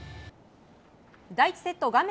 第１セット、画面